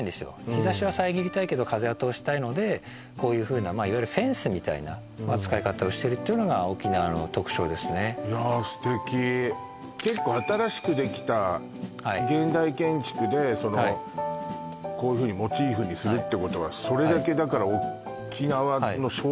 日差しは遮りたいけど風は通したいのでこういうふうなまあいわゆるフェンスみたいな使い方をしてるっていうのが沖縄の特徴ですね結構新しくできた現代建築でそのこういうふうにモチーフにするってことはそれだけだから沖縄の象徴なのよね